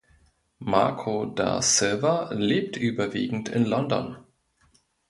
Marco da Silva lebt überwiegend in London.